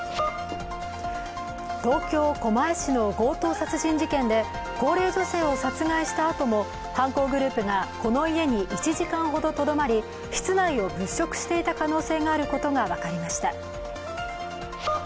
東京・狛江市の強盗殺人事件で高齢女性を殺害したあとも犯行グループがこの家に１時間ほどとどまり、室内を物色していた可能性があることが分かりました。